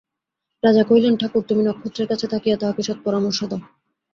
রাজা কহিলেন, ঠাকুর, তুমি নক্ষত্রের কাছে থাকিয়া তাহাকে সৎপরামর্শ দাও।